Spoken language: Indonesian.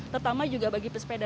terutama juga bagi pesepeda